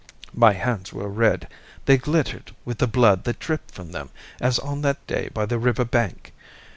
My hands were red; they glittered with the blood that dripped from them as on that day by the river bank.